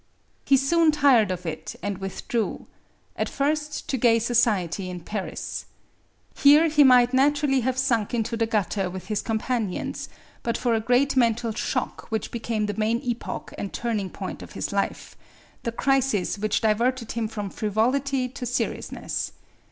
He soon tired of it and withdrew at first to gay society in Paris. Here he might naturally have sunk into the gutter with his companions, but for a great mental shock which became the main epoch and turning point of his life, the crisis which diverted him from frivolity to seriousness.